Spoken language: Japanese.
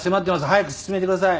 早く進めてください。